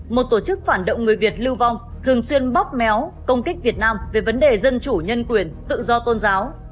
một tổ chức phản động người việt lưu vong thường xuyên bóp méo công kích việt nam về vấn đề dân chủ nhân quyền tự do tôn giáo